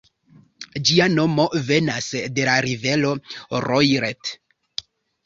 Ĝia nomo venas de la rivero Loiret.